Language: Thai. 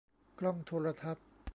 กล้องโทรทัศน์